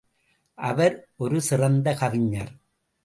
அவர் ஒரு சிறந்த கவிஞர்.